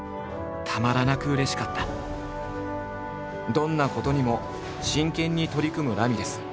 どんなことにも真剣に取り組むラミレス。